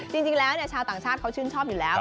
จริงแล้วชาวต่างชาติเขาชื่นชอบอยู่แล้ว